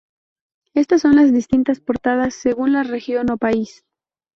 Estas son las distintas portadas según la región o país.